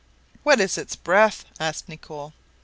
"What is its breadth?" asked Nicholl.